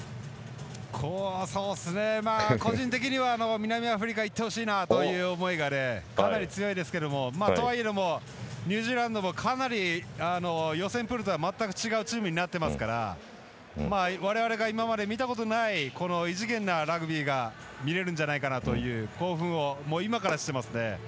個人的には南アフリカいってほしいなという思いがかなり強いですけどとはいえどもニュージーランドもかなり予選プールとは全く違うチームになってますから我々が今まで見たことない異次元なラグビーが見れるんじゃないかなという興奮を今からしていますね。